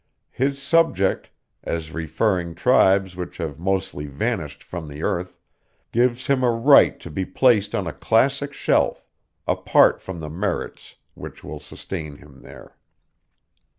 His subject, as referring to tribes which have mostly vanished from the earth, gives him a right to be placed on a classic shelf, apart from the merits which will sustain him there.